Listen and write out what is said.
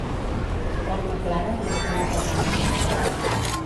Carme clara, més calor prepara.